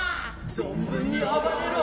存分に暴れろ！